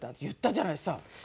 言ったじゃないさ！